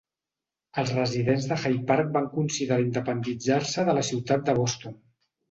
Els residents de Hyde Park van considerar independitzar-se de la ciutat de Boston.